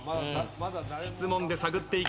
質問で探っていきます。